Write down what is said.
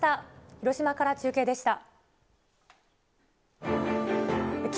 広島から中継でした。